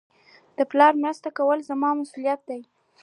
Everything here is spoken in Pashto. د پلار مرسته کول زما مسئولیت دئ.